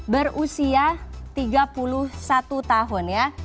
berusia tiga puluh satu tahun ya